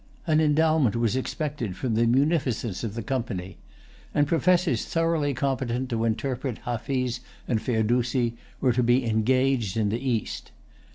An endowment was expected from the munificence of the Company; and professors thoroughly competent to interpret Hafiz and Ferdusi were to be engaged in the East.